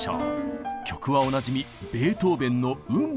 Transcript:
曲はおなじみ